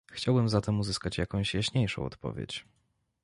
Chciałabym zatem uzyskać jakąś jaśniejszą odpowiedź